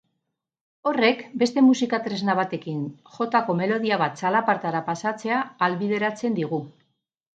Horrek beste musika tresna batekin jotako melodia bat txalapartara pasatzea ahalbideratzen digu.